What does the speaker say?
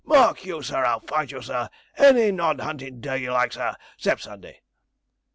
'Mark you, sir, I'll fight you, sir, any non huntin' day you like, sir, 'cept Sunday.'